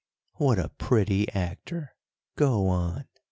"What a pretty actor! go on!